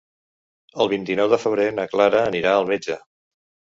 El vint-i-nou de febrer na Clara anirà al metge.